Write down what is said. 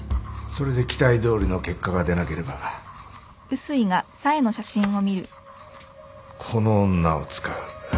それで期待どおりの結果が出なければこの女を使う。